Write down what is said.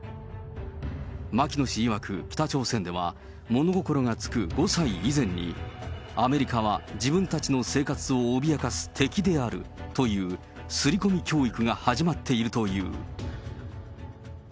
牧野氏いわく、北朝鮮では、物心がつく５歳以前に、アメリカは自分たちの生活を脅かす敵であるというすり込み教育が始まっているという。